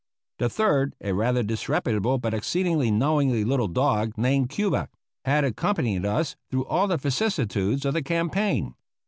The third, a rather disreputable but exceedingly knowing little dog named Cuba, had accompanied us through all the vicissitudes of the campaign.